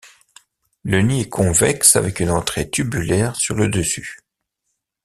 Le nid est convexe avec une entrée tubulaire sur le dessus.